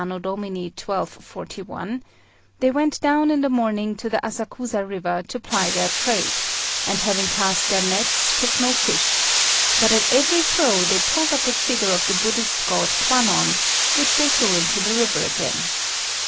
D. 1241), they went down in the morning to the Asakusa River to ply their trade; and having cast their nets took no fish, but at every throw they pulled up a figure of the Buddhist god Kwannon, which they threw into the river again.